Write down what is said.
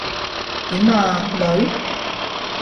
點呀，女？